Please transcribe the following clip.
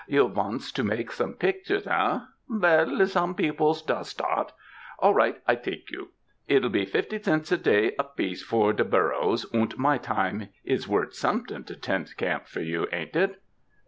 You vants to make some pic tures, eh? Veil, some peoples does dot. All right, I take you. It'll be fifty cents a day apiece for de burros, unt my time is wort' somet'ing to tend camp for you, ain't it?